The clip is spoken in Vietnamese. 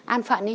an phận đi